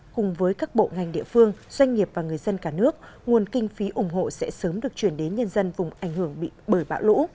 cùng với các bộ ngành địa phương doanh nghiệp và người dân cả nước nguồn kinh phí ủng hộ sẽ sớm được chuyển đến nhân dân vùng ảnh hưởng bị bởi bão lũ